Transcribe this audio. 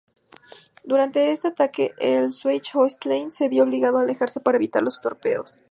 Durante este ataque el Schleswig-Holstein se vio obligado a alejarse para evitar los torpedos.